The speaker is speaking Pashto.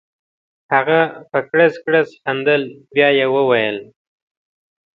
هغه په کړس کړس خندل بیا یې وویل.